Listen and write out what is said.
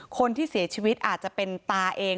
คนที่เสียชีวิตอาจจะเป็นตาเอง